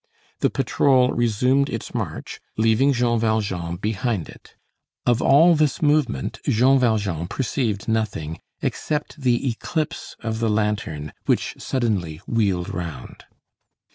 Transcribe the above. The patrol resumed its march, leaving Jean Valjean behind it. Of all this movement, Jean Valjean perceived nothing, except the eclipse of the lantern which suddenly wheeled round.